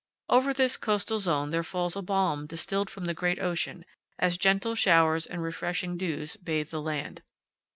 Over this coastal zone there falls a balm distilled from the great ocean, as gentle showers and refreshing dews bathe the land.